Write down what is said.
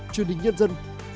truyền hình nhân dân